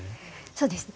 そうですね。